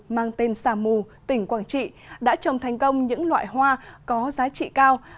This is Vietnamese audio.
mang tên sa mù tỉnh quảng trị đã trồng thành công những loại hoa có giá trị cao